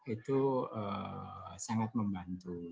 itu sangat membantu